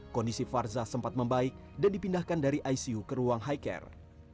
kondisi farzah sempat membaik dan dipindahkan dari icu ke ruang high care